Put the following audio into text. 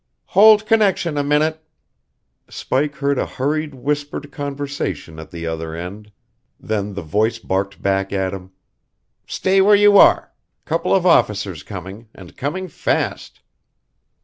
"Hold connection a minute!" Spike heard a hurried whispered conversation at the other end, then the voice barked back at him: "Stay where you are couple of officers coming, and coming fast!"